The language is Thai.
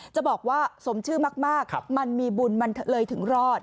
จะบอกว่าสมชื่อมากมันมีบุญมันเลยถึงรอด